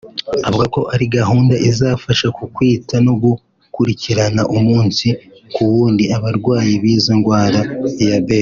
avuga ko ’ari gahunda izafasha ku kwita no gukurikirana umunsi ku wundi abarwayi b’izo ndwara ( diabete